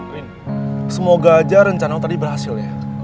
rin semoga aja rencana lo tadi berhasil ya